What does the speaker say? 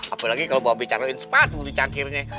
apalagi kalo bawa becarain sepatu di cangkirnya